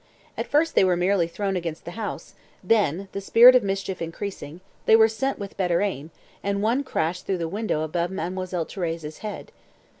At first they were merely thrown against the house, then, the spirit of mischief increasing, they were sent with better aim, and one crashed through the window above Mademoiselle Thérèse's head.